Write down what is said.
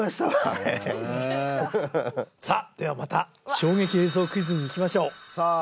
あれさあではまた衝撃映像クイズにいきましょうさあ